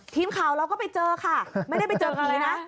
ทีมข่าวเราก็ไปเจอค่ะไม่ได้ไปเจอผีนะ